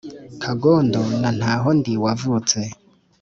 kagondo na ntahondi wavutse